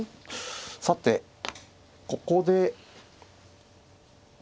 さてここで。